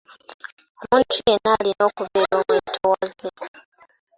Omuntu yenna alina okubeera omwetowaze.